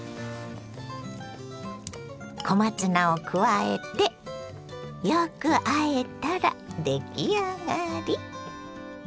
小松菜を加えてよくあえたら出来上がり。